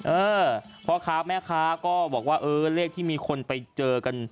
เออพ่อค้าแม่ค้าก็บอกว่าเออเลขที่มีคนไปเจอกัน